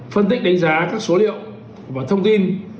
phân tích đánh giá các số liệu và thông tin